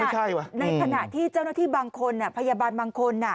ในขณะที่เจ้าหน้าที่บางคนพยาบาลบางคน